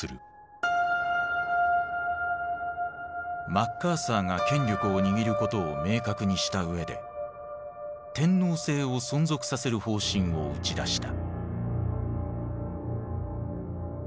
マッカーサーが権力を握ることを明確にした上で天皇制を存続させる方針を打ち出した。